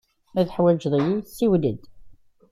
Ma teḥwaǧeḍ-iyi, siwel-d.